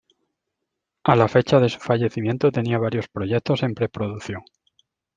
A la fecha de su fallecimiento tenía varios proyectos en preproducción.